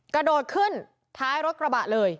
กระโดดขึ้นท้ายรถกระบะเลย